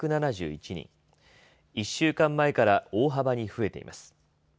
１週間前から大幅に増えています。